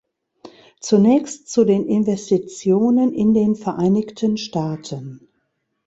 Zunächst zu den Investitionen in den Vereinigten Staaten.